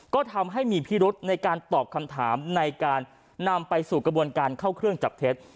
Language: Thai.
ก็ทำให้มีพิรุธในการตอบคำถามในการนำไปสู่กระบวนการเข้าเครื่องจับเท็จ